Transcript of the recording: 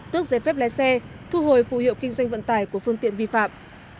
tước giấy phép lái xe thu hồi phù hiệu kinh doanh vận tải của phương tiện vi phạm